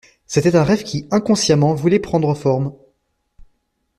C'était un rêve qui inconsciemment voulait prendre forme.